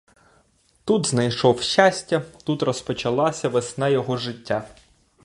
Тут знайшов щастя, тут розпочалася весна його життя.